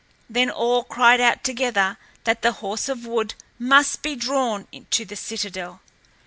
Then all cried out together that the horse of wood must be drawn to the citadel.